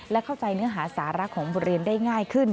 และเข้าใจเนื้อหาสาระของบริเวณได้ง่ายขึ้น